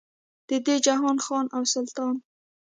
د دې جهان خان او سلطان.